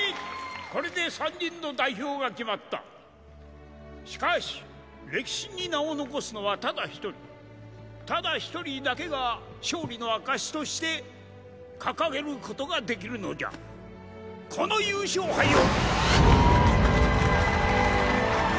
これで３人の代表が決まったしかし歴史に名を残すのはただ一人ただ一人だけが勝利の証しとして掲げることができるのじゃこの優勝杯を！